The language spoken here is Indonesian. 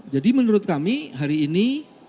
jadi menurut kami hari ini